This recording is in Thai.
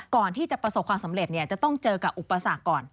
ก่อนที่จะประสบความสำเร็จจะต้องเจอกับอุปสรรคก่อน